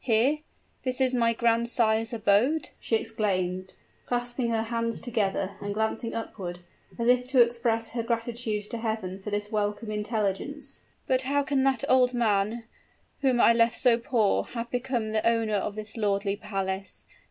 "Here! this my grandsire's abode!" she exclaimed, clasping her hands together, and glancing upward, as if to express her gratitude to Heaven for this welcome intelligence. "But how can that old man, whom I left so poor, have become the owner of this lordly palace?